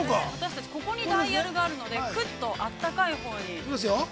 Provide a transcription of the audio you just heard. ◆ここにダイヤルがあるので、くっと、あったかいほうに。